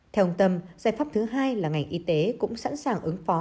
theo ông tâm giải pháp thứ hai là ngành y tế cũng sẵn sàng ứng phó